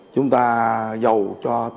chúng ta dầu cho